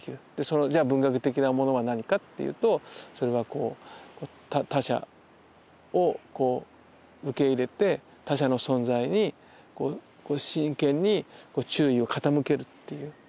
じゃあ文学的なものは何かっていうとそれは他者を受け入れて他者の存在に真剣に注意を傾けるっていう。